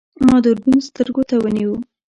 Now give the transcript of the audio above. ما دوربین سترګو ته ونیو.